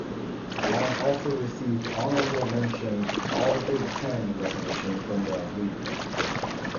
Long also received honorable mention All-Big Ten recognition from the media.